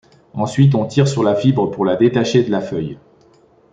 Ensuite, on tire sur la fibre pour la détacher de la feuille.